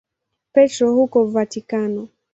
Petro huko Vatikano.